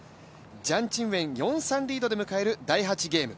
ジャン・チンウェン４−３リードで迎える第４ゲーム。